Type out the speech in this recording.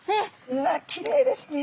うわっきれいですね。